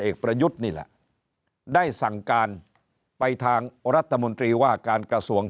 ประยุทธ์นี่แหละได้สั่งการไปทางรัฐมนตรีว่าการกระทรวง